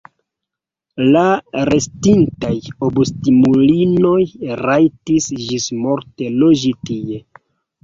La restintaj obstinulinoj rajtis ĝismorte loĝi tie.